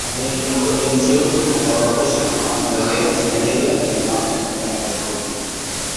Although uninjured, all his possessions and game materials were lost in the tragedy.